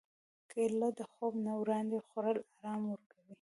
کېله د خوب نه وړاندې خوړل ارام ورکوي.